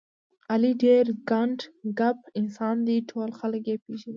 علي ډېر ګنډ کپ انسان دی، ټول خلک یې پېژني.